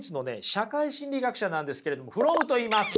社会心理学者なんですけれどもフロムといいます！